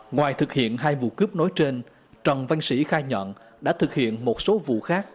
ngoài thực hiện hai vụ cướp nói trên trần văn sĩ khai nhận đã thực hiện một số vụ khác